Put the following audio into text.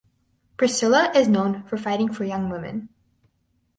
Priscilla is known for fighting for young women.